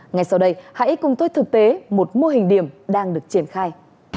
ngay sau đây hãy cùng tôi thực tế một mô hình điểm đang được triển khai